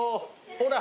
ほら。